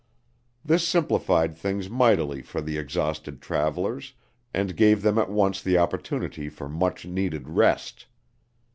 This simplified things mightily for the exhausted travelers, and gave them at once the opportunity for much needed rest.